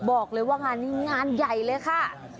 บอกเลยว่างานนี้งานใหญ่เลยค่ะ